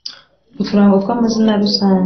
Uturango twa mazina rusange